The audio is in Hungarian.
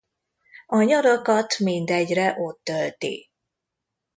A nyarakat mindegyre ott tölti.